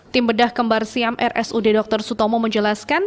tim bedah kembar siam rsud dr sutomo menjelaskan